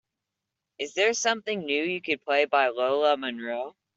is there something new you can play by Lola Monroe